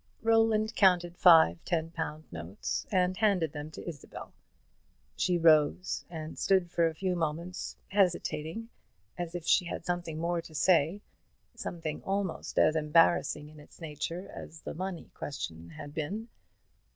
Roland counted five ten pound notes and handed them to Isabel. She rose and stood for a few moments, hesitating as if she had something more to say, something almost as embarrassing in its nature as the money question had been.